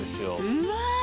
うわ！